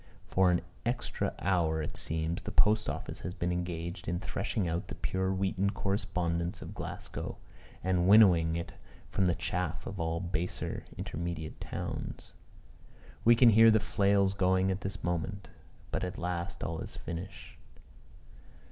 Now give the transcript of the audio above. For an extra hour, it seems, the post office has been engaged in threshing out the pure wheaten correspondence of Glasgow, and winnowing it from the chaff of all baser intermediate towns. We can hear the flails going at this moment. But at last all is finished.